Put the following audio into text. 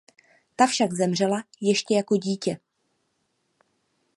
Ta však zemřela ještě jako dítě.